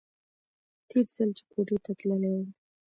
تېر ځل چې کوټې ته تللى و.